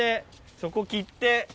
そこ切って。